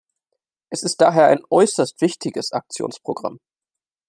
Es ist daher ein äußerst wichtiges Aktionsprogramm.